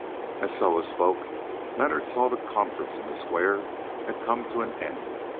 As Soa spoke, Leonard saw that the conference in the square had come to an end.